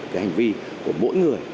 cái hành vi của mỗi người